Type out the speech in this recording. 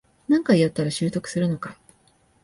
何回やったら習得するのか